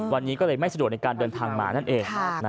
วันนี้ก็เลยไม่สะดวกในการเดินทางมานั่นเอง